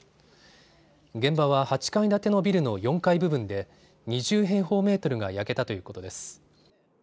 現場は８階建てのビルの４階部分で２０平方メートルが焼けたということです。